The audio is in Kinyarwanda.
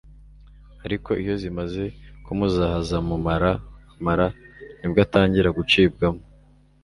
ariko iyo zimaze kumuzahaza mu mara [ Amara ] nibwo atangira gucibwamo